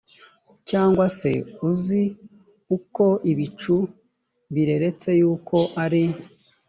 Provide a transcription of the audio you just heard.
cyangwa se uzi uko ibicu bireretse yuko ari